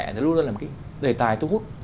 nó luôn luôn là một cái đề tài thu hút